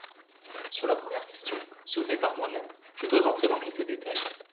Sur la première question, soulevée par moi-même, je dois entrer dans quelques détails.